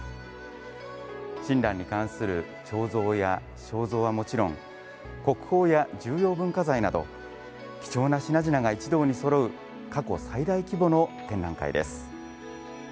親鸞に関する彫像や肖像はもちろん、国宝や重要文化財など貴重な品々が一堂にそろう過去最大規模の展覧会です。